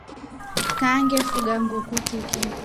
Kaa ngefuga nguku tiki.